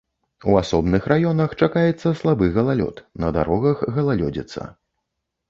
У асобных раёнах чакаецца слабы галалёд, на дарогах галалёдзіца.